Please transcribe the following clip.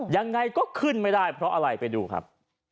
ยังไงก็ขึ้นไม่ได้เพราะอะไรไปดูครับ